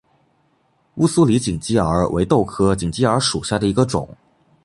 乌苏里锦鸡儿为豆科锦鸡儿属下的一个种。